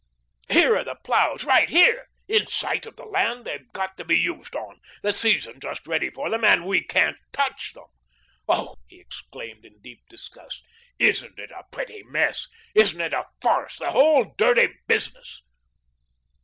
Here are the ploughs right here, in sight of the land they have got to be used on, the season just ready for them, and we can't touch them. Oh," he exclaimed in deep disgust, "isn't it a pretty mess! Isn't it a farce! the whole dirty business!"